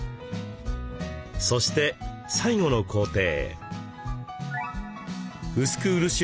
そして最後の工程。